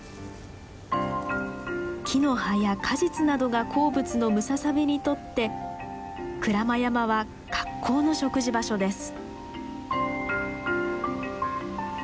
木の葉や果実などが好物のムササビにとって鞍馬山は格好の食事場所です。